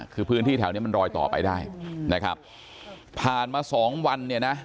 คือพื้นที่แถวเนี้ยมันรอยต่อไปได้นะครับผ่านมาสองวันเนี่ยนะ